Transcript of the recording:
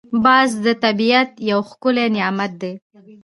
باز د طبیعت یو ښکلی نعمت دی